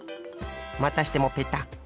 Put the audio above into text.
またしてもペタッ。